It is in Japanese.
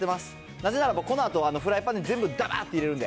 なぜならば、このあとフライパンで全部だだっと入れちゃうんで。